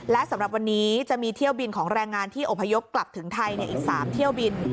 และสำหรับวันนี้จะมีเที่ยวบินของแรงงานที่อพยพกลับถึงไทยอีก๓เที่ยวบิน